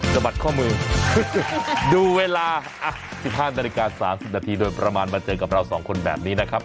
บัดข้อมือดูเวลา๑๕นาฬิกา๓๐นาทีโดยประมาณมาเจอกับเราสองคนแบบนี้นะครับ